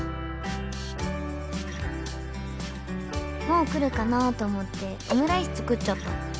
「もうくるかなとおもってオムライスつくっちゃった。